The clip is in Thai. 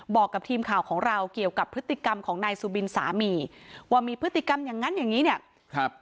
บอกกับทีมข่าวของเราเกี่ยวกับพฤติกรรมของนายสุบินสามีว่ามีพฤติกรรมอย่างนั้นอย่างงี้เนี่ยครับ